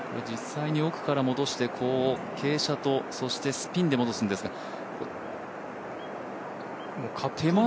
実際に奥から戻して、傾斜とスピンで戻すんですが。